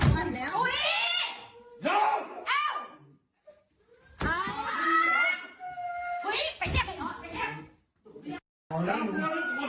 จะเอาน้ำกดไหม